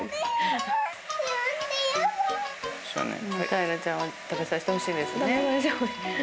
大樂ちゃんは食べさせてほしいですね。